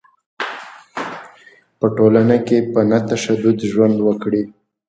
په ټولنه کې په نه تشدد ژوند وکړي.